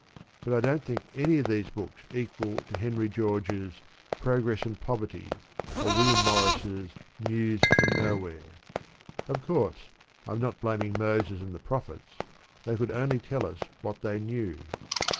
But I don't think any of these books equal to Henry George's Progress and Poverty, or William Morris' News from Nowhere. Of course, I am not blaming Moses and the Prophets: they could only tell us what they knew.